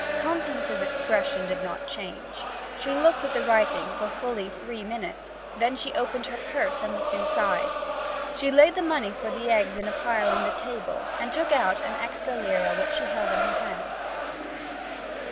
Constance's expression did not change. She looked at the writing for fully three minutes, then she opened her purse and looked inside. She laid the money for the eggs in a pile on the table, and took out an extra lira which she held in her hand.